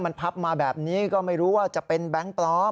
มันพับมาแบบนี้ก็ไม่รู้ว่าจะเป็นแบงค์ปลอม